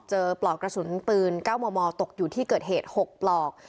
ปลอกกระสุนปืน๙มมตกอยู่ที่เกิดเหตุ๖ปลอก